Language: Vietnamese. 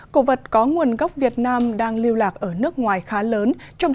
cổ vật có nguồn gốc việt nam đang lưu lạc ở nước ngoài khá lớn